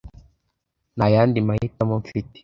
Nta yandi mahitamo mfite